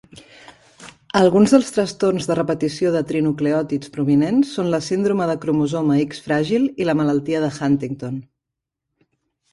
Alguns dels trastorns de repetició de trinucleòtids prominents són la síndrome de cromosoma X fràgil i la malaltia de Huntington.